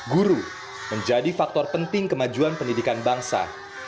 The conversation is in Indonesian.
guru menjadi faktor penting kemajuan pendidikan bangsa